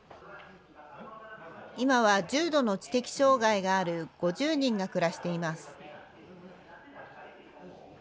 今は重度の知的障害がある５０人が暮らしています。